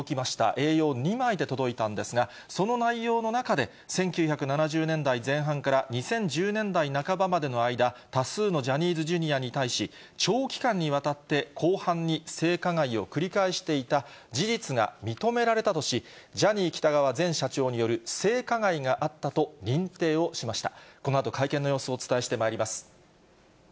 Ａ４、２枚で届いたんですが、その内容の中で、１９７０年代前半から２０１０年代半ばまでの間、多数のジャニーズＪｒ．に対し、長期間にわたって広範に性加害を繰り返していた事実が認められたとし、ジャニー喜多川前社長による性加害があったと認定をしました。